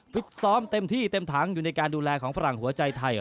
ซ้อมเต็มที่เต็มถังอยู่ในการดูแลของฝรั่งหัวใจไทย